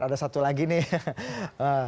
ada satu lagi nih